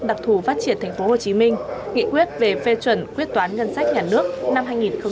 đặc thù phát triển tp hcm nghị quyết về phê chuẩn quyết toán ngân sách nhà nước năm hai nghìn một mươi bảy